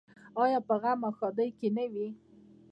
آیا په غم او ښادۍ کې نه وي؟